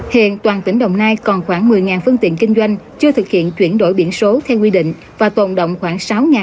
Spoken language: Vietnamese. hiện toàn tỉnh đồng nai còn khoảng một mươi phương tiện kinh doanh chưa thực hiện chuyển đổi biển số theo quy định và tổng động khoảng sáu mươi xe ô tô